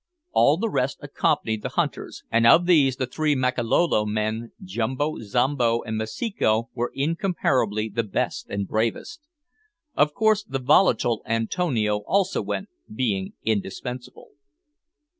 All the rest accompanied the hunters, and of these the three Makololo men, Jumbo, Zombo, and Masiko, were incomparably the best and bravest. Of course the volatile Antonio also went, being indispensable.